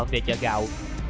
về chợ gạo